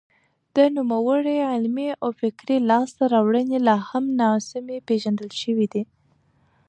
د نوموړي علمي او فکري لاسته راوړنې لا هم ناسمې پېژندل شوې دي.